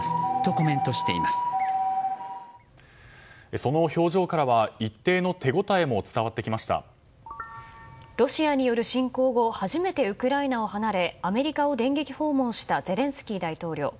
その表情からは一定の手応えもロシアによる侵攻後初めてウクライナを離れアメリカを電撃訪問したゼレンスキー大統領。